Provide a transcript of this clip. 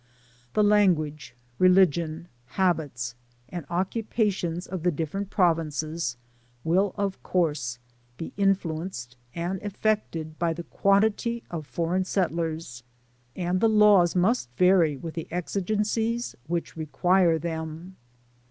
The language, religion, haMts, and occupations of the different provinces will ol course be iiduaiced imd affiseted by the quantity of foreign settl^ps, and the laws must vary with the exigendes which re quire th&a\.